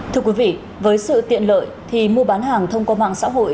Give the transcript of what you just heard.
thưa quý vị với sự tiện lợi thì mua bán hàng thông qua mạng xã hội